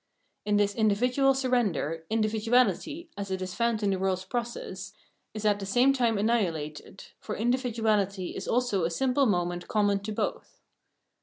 In this in dividual surrender, individuahty, as it is found in the world's process, is at the same time annihilated ; for individuahty is also a simple moment couamon to both.